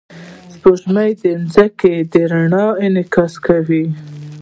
سپوږمۍ د ځمکې د رڼا انعکاس کوي